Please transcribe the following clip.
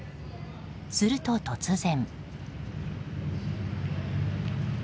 すると、突然。